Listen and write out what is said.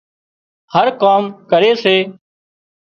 هر ڪام ڪري سي